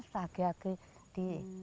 lalu lagi lagi di